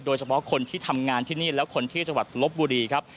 โดยเฉพาะคนที่ทำงานที่นี่และคนที่จังหวัดลบบุรีครับ